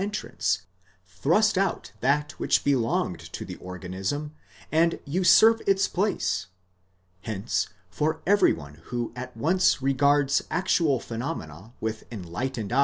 entrance, thrust out that which belonged to the organism, and usurp its place Hence for every one who at once regards actual phenomena with enlightened.